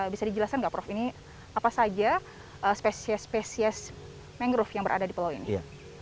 bisa dijelaskan nggak prof ini apa saja spesies spesies mangrove yang berada di pulau ini